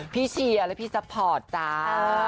เชียร์และพี่ซัพพอร์ตจ้า